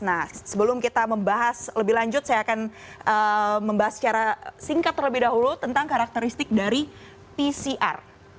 nah sebelum kita membahas lebih lanjut saya akan membahas secara singkat terlebih dahulu tentang karakteristik dari pcr